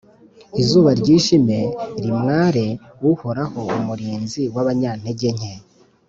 izuba ryijime, rimware, Uhoraho, umurinzi w’abanyantegenke